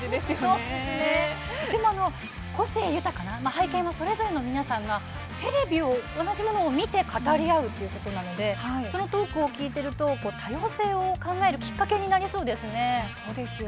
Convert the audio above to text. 個性豊かな、背景もそれぞれの皆さんがテレビ同じものを見て語り合うのを見てそのトークを聞いていると多様性を考えるきっかけになりそうですね。